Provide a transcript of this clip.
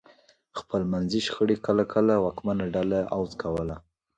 خپلمنځي شخړې کله کله واکمنه ډله عوض کوله.